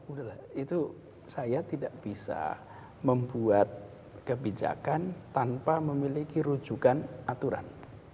udahlah itu saya tidak bisa membuat kebijakan tanpa memiliki rujukan aturan